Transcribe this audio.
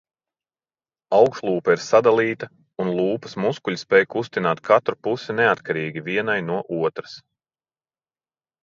Augšlūpa ir sadalīta, un lūpas muskuļi spēj kustināt katru pusi neatkarīgi vienai no otras.